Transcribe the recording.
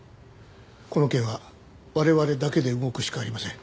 この件は我々だけで動くしかありません。